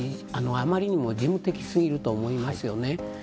あまりにも事務的すぎると思いますね。